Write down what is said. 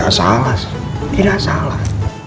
tidak salah tidak salah